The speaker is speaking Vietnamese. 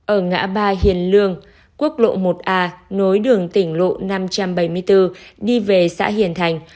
ở ngã ba hiền lương quốc lộ một a nối đường tỉnh lộ năm trăm bảy mươi bốn đi về xã hiền thành